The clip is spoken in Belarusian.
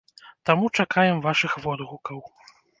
Таму чакаем вашых водгукаў.